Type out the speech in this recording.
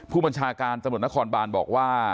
ผู้บัญชาการสมรรถนครบาลบอกว่า